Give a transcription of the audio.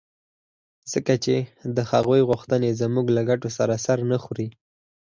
ځکه چې د هغوی غوښتنې زموږ له ګټو سره سر نه خوري.